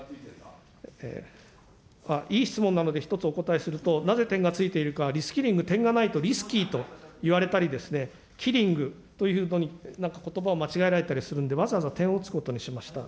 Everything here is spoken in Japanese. いい質問なのでお答えすると、なぜ点がついているか、リスキリング、点がないとリスキーと言われたり、キリングというように、なんかことばを間違えられたりするんで、わざわざ点を打つことにしました。